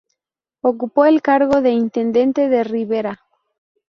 Ocupó el cargo de Intendente de Rivera.